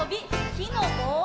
「木のぼう」